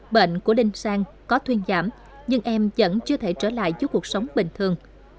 bệnh của linh sang có thuyên giảm nhưng em vẫn chưa thể trở lại giúp cuộc sống bình thường